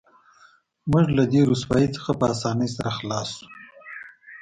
موږ له دې رسوایۍ څخه په اسانۍ سره خلاص شو